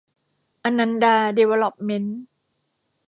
อนันดา ดีเวลลอปเม้นท์